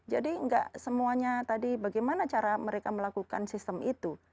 jadi enggak semuanya tadi bagaimana cara mereka melakukan sistem itu